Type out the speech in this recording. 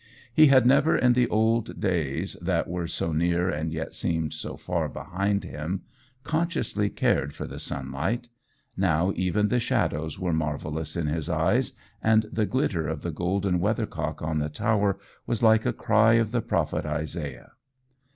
He had never in the old days that were so near and yet seemed so far behind him, consciously cared for the sunlight: now even the shadows were marvellous in his eyes, and the glitter the golden weather cock on the tower was like a cry of the prophet Isaiah.